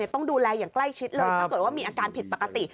ต้องดูแลอย่างใกล้ชิดเลยถ้าเกิดว่ามีอาการผิดปกติ